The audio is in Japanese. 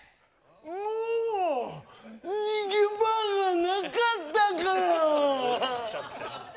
もう逃げ場がなかったから！